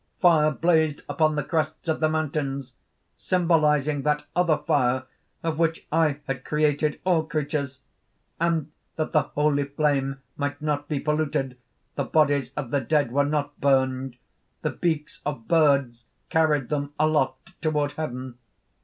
Fire blazed upon the crests of the mountains, symbolizing that other fire of which I had created all creatures. And that the holy flame might not be polluted, the bodies of the dead were not burned; the beaks of birds carried them aloft toward heaven.